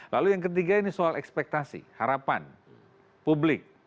lalu yang ketiga ini soal ekspektasi harapan publik